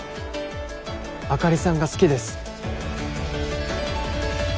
あかりさんが好きです